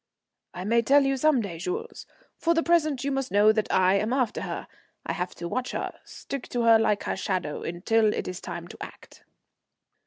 "I may tell you some day, Jules. For the present you must know that I am after her; I have to watch her, stick to her like her shadow until it is time to act."